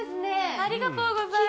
ありがとうございます。